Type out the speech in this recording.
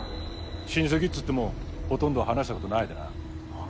親戚っつってもほとんど話した事ないでな。